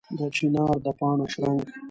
د چنار د پاڼو شرنګ